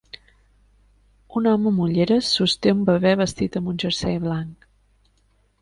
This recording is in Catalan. Un home amb ulleres sosté un bebè vestit amb un jersei blanc.